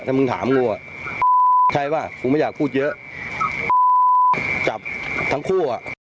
ถ้ามึงถามกูอ่ะใช่ป่ะกูไม่อยากพูดเยอะจับทั้งคู่อ่ะ